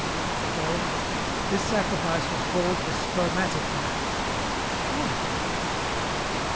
"Well, this sacrifice was called the Spermatic Mass." "Oh!"